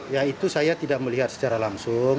ya itu saya tidak melihat secara langsung